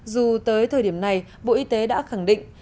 dù tới thời điểm này bộ y tế đã khẳng định